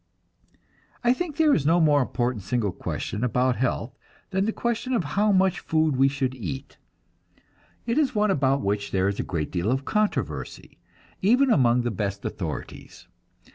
I think there is no more important single question about health than the question of how much food we should eat. It is one about which there is a great deal of controversy, even among the best authorities.